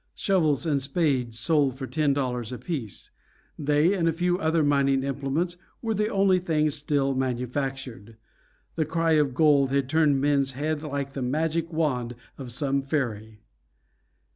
Shovels and spades sold for ten dollars apiece. They, and a few other mining implements, were the only things still manufactured. The cry of gold had turned men's heads like the magic wand of some fairy.